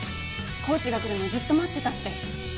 コーチが来るのをずっと待ってたって。